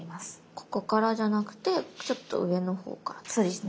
ここからじゃなくてちょっと上のほうからってことですね。